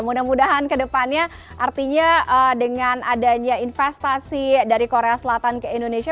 mudah mudahan kedepannya artinya dengan adanya investasi dari korea selatan ke indonesia